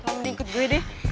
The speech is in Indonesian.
nanti risa berisik